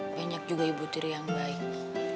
banyak juga ibu tiri yang baik